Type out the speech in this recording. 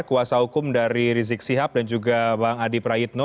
kuasa hukum dari rizik sihab dan juga bang adi prayitno